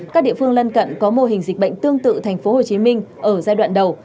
các địa phương lân cận có mô hình dịch bệnh tương tự tp hcm ở giai đoạn đầu